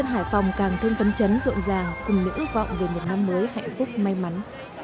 rộn ràng cùng những ước vọng về một năm mới hạnh phúc may mắn